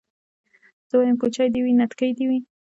زه وايم کوچۍ دي وي نتکۍ دي وي